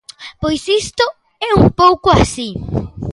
Pois isto é un pouco así.